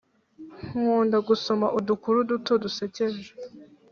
nkunda gusoma udukuru duto dusekeje